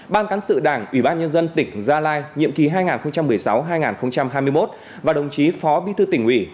ban cán sự đảng ủy ban nhân dân tỉnh gia lai nhiệm kỳ hai nghìn một mươi sáu hai nghìn hai mươi một và đồng chí phó bí thư tỉnh ủy